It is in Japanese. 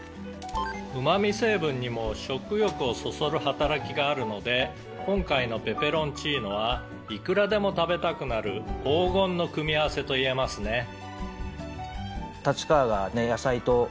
「うまみ成分にも食欲をそそる働きがあるので今回のペペロンチーノはいくらでも食べたくなる黄金の組み合わせといえますね」